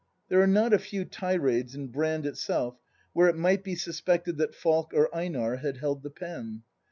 There are not a few tirades in Brand itself,, where it might be suspected that Falk or Einar had held the pen.